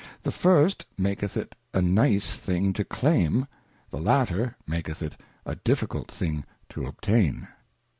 The first maketh it a nice thing to claim, the latter maketh it a difficult thing to obtain.